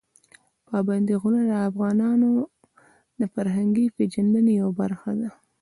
پابندي غرونه د افغانانو د فرهنګي پیژندنې یوه برخه ده.